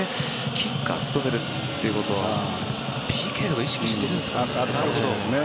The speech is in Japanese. キッカーを務めるということはＰＫとか意識してるんですかね。